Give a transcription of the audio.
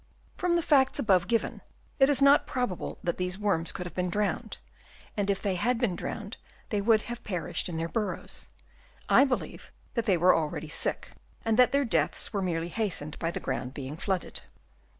From the facts above given, it is not probable that these worms could have been drowned, and if they had been drowned they would have perished in their burrows. I believe that they were already sick, and that their deaths were merely hastened by the ground being flooded.